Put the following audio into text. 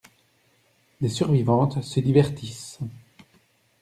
Des survivantes se divertissent.